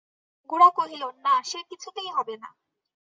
গোরা কহিল, না, সে কিছুতেই হবে না।